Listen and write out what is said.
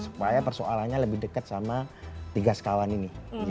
supaya persoalannya lebih dekat sama tiga sekawan ini